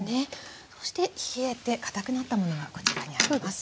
そして冷えてかたくなったものがこちらにありますね。